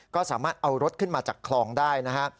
ก็สามารถเอารถขึ้นมาจากคลองได้นะฮะ